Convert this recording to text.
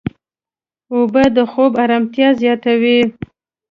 اوبه د خوب ارامتیا زیاتوي.